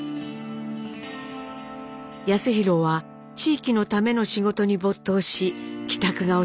康宏は地域のための仕事に没頭し帰宅が遅くなる毎日。